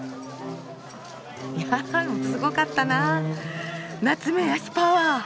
いやすごかったなあナツメヤシパワー。